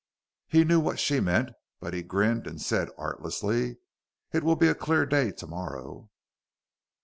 He knew what she meant, but he grinned and said artlessly, "It will be a clear day tomorrow."